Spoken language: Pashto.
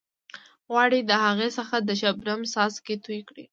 غواړئ د هغې څخه د شبنم څاڅکي توئ کړئ.